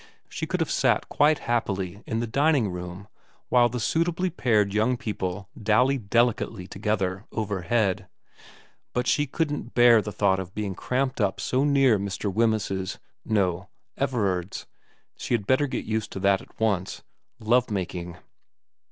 She could have sat quite happily in the dining room 96 VERA ix while the suitably paired young people dallied delicately together overhead. But she couldn't bear the thought of being cramped up so near Mr. Wemyss's no, Everard's ; she had better get used to that at once love making.